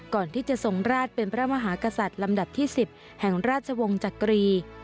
ก่อนที่จะทรงราชเป็นพระมหากษัตริย์ลำดับที่๑๐แห่งราชวงศ์จักรี